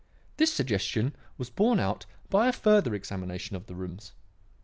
This suggestion was borne out by a further examination of the rooms.